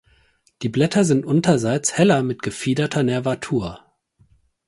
Die Blätter sind unterseits heller mit gefiederter Nervatur.